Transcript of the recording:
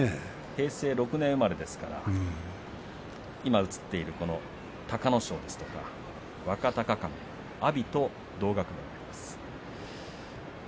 平成６年生まれですから、今映っている隆の勝や若隆景阿炎と同学年です。